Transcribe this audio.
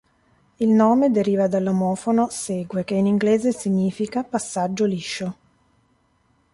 Il nome deriva dall'omofono "segue", che in inglese significa "passaggio liscio".